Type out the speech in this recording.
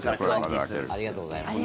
ありがとうございます。